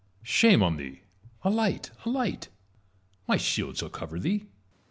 Shame on thee 1 alight, alight ! my shield shall cover thee.